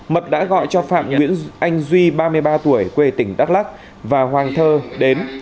mật đã gọi cho phạm nguyễn anh duy ba mươi ba tuổi quê tỉnh đắk lắc và hoàng thơ đến